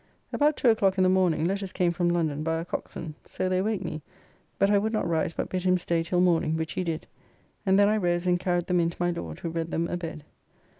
About two o'clock in the morning, letters came from London by our coxon, so they waked me, but I would not rise but bid him stay till morning, which he did, and then I rose and carried them in to my Lord, who read them a bed.